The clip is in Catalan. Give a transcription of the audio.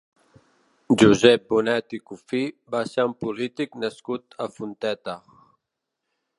Josep Bonet i Cufí va ser un polític nascut a Fonteta.